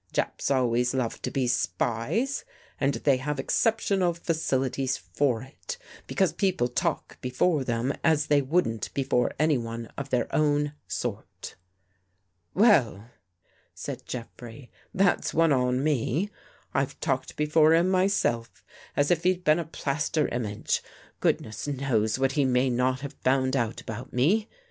Japs always love to be spies and they have excep tional facilities for it, because people talk before them as they wouldn't before anyone of their own sort." " Well," said Jeffrey, " that's one on me. I've talked before him myself, as if he'd been a plaster image. Goodness knows what he may not have found out about me.